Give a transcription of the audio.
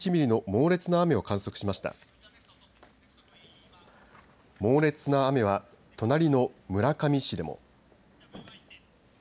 猛烈な雨は隣の村上市でも。